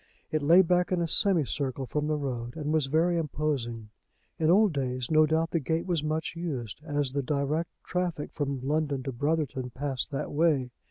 It lay back in a semi circle from the road, and was very imposing. In old days no doubt the gate was much used, as the direct traffic from London to Brotherton passed that way.